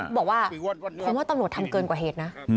บอกว่าผมว่าตำรวจทำเกินกว่าเหตุนะ